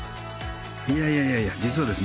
いやいやいやいや実はですね